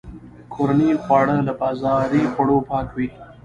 کورني خواړه له بازاري خوړو پاک وي.